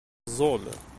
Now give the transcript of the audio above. Teẓẓul.